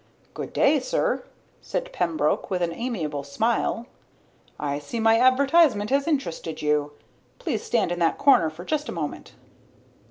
"Good day, sir," said Pembroke with an amiable smile. "I see my advertisement has interested you. Please stand in that corner for just a moment."